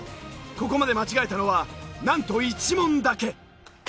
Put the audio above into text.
ここまで間違えたのはなんと１問だけ。